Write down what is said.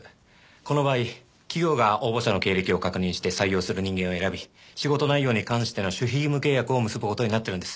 この場合企業が応募者の経歴を確認して採用する人間を選び仕事内容に関しての守秘義務契約を結ぶ事になってるんです。